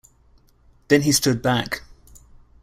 Then he stood back.